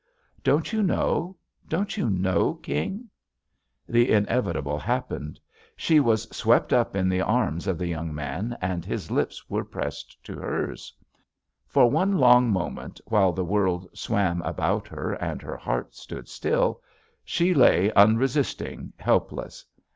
Don't you know? Don't you know, King?" The inevit able happened. She was swept up in the arms of the young man and his lips were pressed to hers. For one long moment, while the world swam about her and her heart stood still, she lay unresisting, helpless.